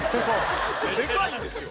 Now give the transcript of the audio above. でかいんですよ。